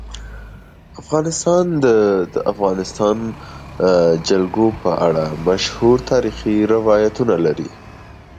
افغانستان د د افغانستان جلکو په اړه مشهور تاریخی روایتونه لري.